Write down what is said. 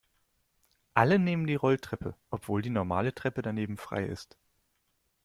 Alle nehmen die Rolltreppe, obwohl die normale Treppe daneben frei ist.